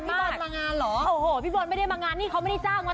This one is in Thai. มีอีกใบดีกรีช่วงมากสาวใจโหยแล้วยังไง